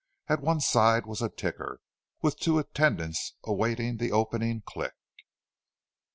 At one side was a ticker, with two attendants awaiting the opening click.